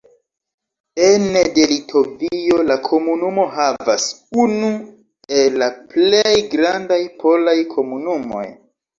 Ene de Litovio, la komunumo havas unu el la plej grandaj polaj komunumoj.